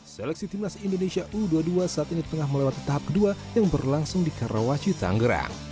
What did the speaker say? seleksi timnas indonesia u dua puluh dua saat ini tengah melewati tahap kedua yang berlangsung di karawaci tanggerang